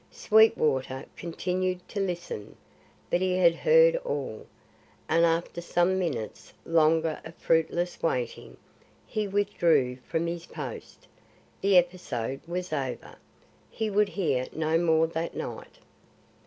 Sweetwater continued to listen, but he had heard all, and after some few minutes longer of fruitless waiting, he withdrew from his post. The episode was over. He would hear no more that night.